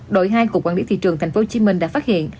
đội hai cục quản lý thị trường tp hcm đã phát hiện